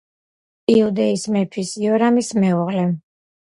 იუდეის მეფის იორამის მეუღლე.